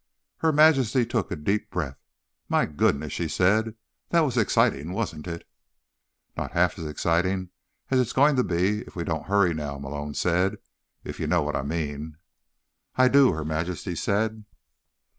Her Majesty took a deep breath. "My goodness," she said. "That was exciting, wasn't it?" "Not half as exciting as it's going to be if we don't hurry now," Malone said. "If you know what I mean." "I do," Her Majesty said.